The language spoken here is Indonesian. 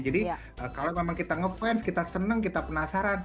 jadi kalau memang kita ngefans kita senang kita penasaran